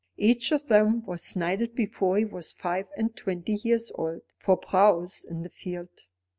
Each of them was knighted before he was five and twenty years old, for prowess in the field.